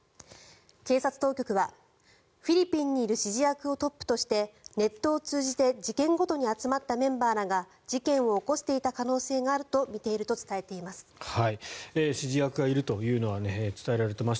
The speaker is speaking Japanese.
警察当局はフィリピンにいる指示役をトップとしてネットを通じて事件ごとに集まったメンバーらが事件を起こしていた可能性があるとみていると伝えています。